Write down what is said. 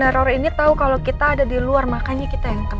dan peneror ini tahu kalau kita ada di luar makanya kita yang kena